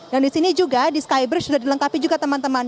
dan di sini juga di skybridge sudah dilengkapi juga teman teman